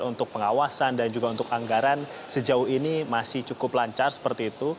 dan untuk pengawasan dan juga untuk anggaran sejauh ini masih cukup lancar seperti itu